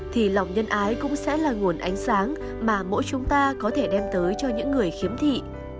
thì lòng nhân ái cũng sẽ là nguồn ánh sáng mà mỗi chúng ta có thể đem tới cho những người khiếm thị